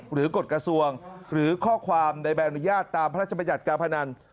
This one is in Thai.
กฎกระทรวงหรือข้อความในใบอนุญาตตามพระราชบัญญัติการพนัน